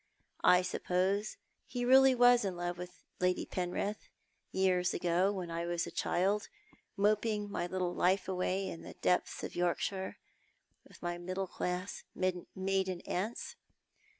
I suppose he really was in love with Lady Penritli, years ago, when I was a child, mojiing my little life away in the depths of Yorkshire, with my middle class maiden aunts.